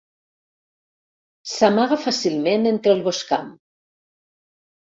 S'amaga fàcilment entre el boscam.